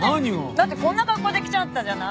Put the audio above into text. だってこんな格好で来ちゃったじゃない。